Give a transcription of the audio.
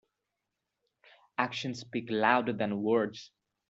Actions speak louder than words.